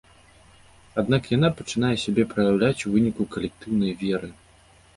Аднак яна пачынае сябе праяўляць ў выніку калектыўнай веры.